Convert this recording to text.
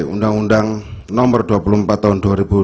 undang undang nomor dua puluh empat tahun dua ribu dua